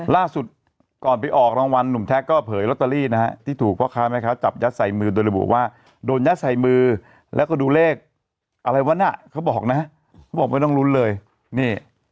ล่าสุดก่อนไปออกรางวัลหนุ่มแท็กก็เผยลอตเตอรี่นะฮะที่ถูกพ่อค้าแม่ค้าจับยัดใส่มือโดยระบุว่าโดนยัดใส่มือแล้วก็ดูเลขอะไรวะน่ะเขาบอกนะเขาบอกไม่ต้องลุ้นเลยนี่